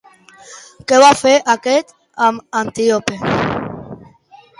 Què va fer aquest amb Antíope?